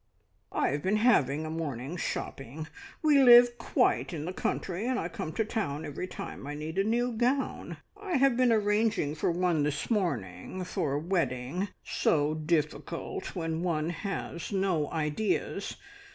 "I have been having a morning's shopping. We live quite in the country, and I come to town every time I need a new gown. I have been arranging for one this morning, for a wedding. So difficult, when one has no ideas!